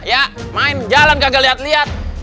ya main jalan gagal lihat lihat